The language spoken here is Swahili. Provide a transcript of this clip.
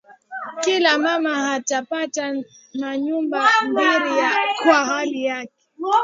Kila mama ata pata ma nyumba mbiri yake kwa haki yake